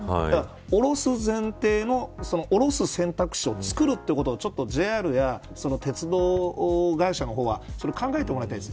降ろす前提の降ろす選択肢をつくるということをＪＲや鉄道会社の方は考えてもらいたいです。